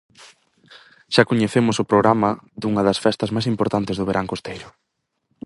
Xa coñecemos o programa dunha das festas máis importantes do verán costeiro.